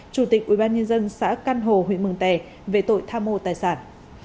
chủ tịch ubnd xã căn hồ huyện mường tè về tội tha mô tài sản